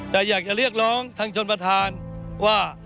แต่อยากจะเรียกร้องทางชนประธานว่า